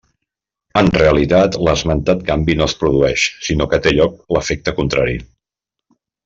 En realitat l'esmentat canvi no es produeix, sinó que té lloc l'efecte contrari.